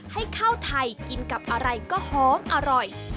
ให้ข้าวไทยกินกับอะไรก็หอมอร่อย